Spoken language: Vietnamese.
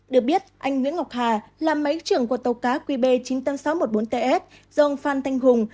được biết anh nguyễn ngọc hà là máy trưởng của tàu cá qb chín mươi ba nghìn sáu trăm một mươi bốn ts dòng phan thanh hùng